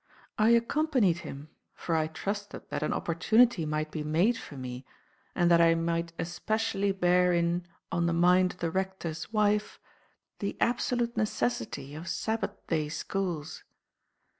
I accompanied him; for I trusted that an opportunity might be made for me, and that I might especially bear in on the mind of the rector's wife the absolute necessity of Sabbath day schools.